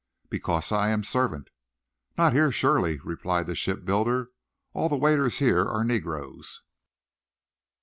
"Because I am servant." "Not here, surely," replied the shipbuilder. "All the waiters here are negroes."